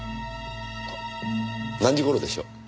何時頃でしょう？